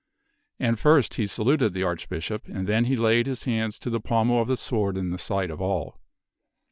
And first he saluted the Archbishop, and then he laid his hands to the pommel of the sword in the sight of all.